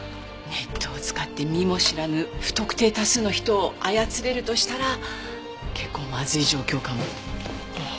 ネットを使って見も知らぬ不特定多数の人を操れるとしたら結構まずい状況かも。